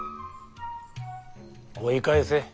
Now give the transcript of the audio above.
追い返せ。